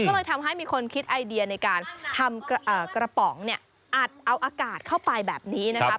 ก็เลยทำให้มีคนคิดไอเดียในการทำกระป๋องเนี่ยอัดเอาอากาศเข้าไปแบบนี้นะครับ